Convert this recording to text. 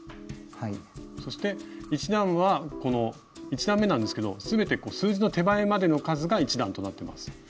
そして１段めなんですけど全て数字の手前までの数が１段となってます。